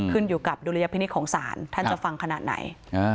ขึ้นอยู่กับดุลยพินิษฐ์ของศาลท่านจะฟังขนาดไหน